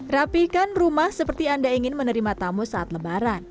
rapihkan rumah seperti anda ingin menerima tamu saat lebaran